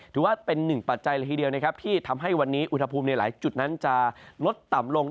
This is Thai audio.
ถือว่าเป็นหนึ่งปัจจัยละทีเดียวนะครับที่ทำให้วันนี้อุณหภูมิในหลายจุดนั้นจะลดต่ำลง